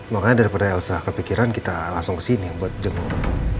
makanya daripada elsa kepikiran kita langsung kesini buat jenguk